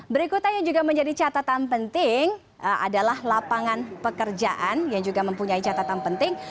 berikutnya yang juga menjadi catatan penting adalah lapangan pekerjaan yang juga mempunyai catatan penting